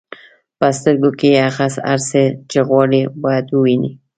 په سترګو کې هغه هر څه چې غواړئ باید ووینئ.